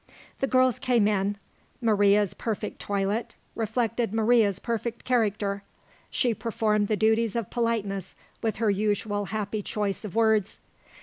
The girls came in. Maria's perfect toilet, reflected Maria's perfect character. She performed the duties of politeness with her usual happy choice of words.